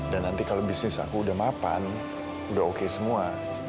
dan nanti kalau bisnis aku udah mapan udah oke semua